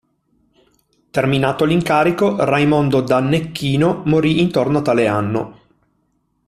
Terminato l'incarico, Raimondo d'Annecchino morì intorno a tale anno.